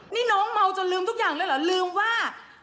นี่น้องเมาจนลืมทุกอย่างเลยเหรอลืมว่า